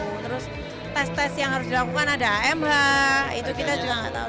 terus tes tes yang harus dilakukan ada amh itu kita juga nggak tahu